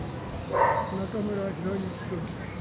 中村裕之君。